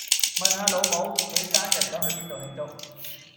問下老母，佢生日想去邊度慶祝